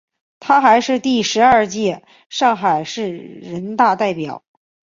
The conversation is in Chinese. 她还是第十二届上海市人大代表。